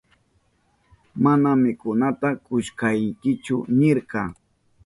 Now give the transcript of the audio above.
Mana mikunata kushkaykichu nirka.